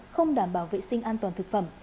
không đảm bảo vệ sinh an toàn thực tế